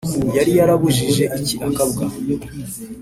Yari yarabujije iki akabwa?